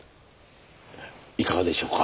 いかがでしょうか？